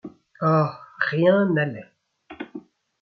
Ah ! rien n’allait.